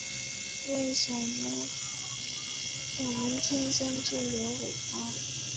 为什么我们天生就有尾巴